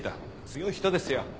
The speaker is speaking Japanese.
強い人ですよ。